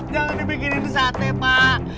jangan dibikinin sate pak